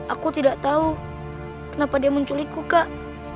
aku tidak tahu kenapa dia menculikku kak